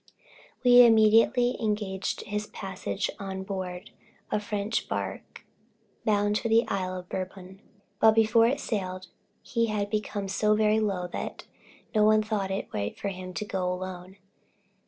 We immediately engaged his passage on board a French barque, bound for the Isle of Bourbon; but before it sailed he had become so very low that no one thought it right for him to go alone.